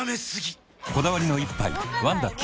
こだわりの一杯「ワンダ極」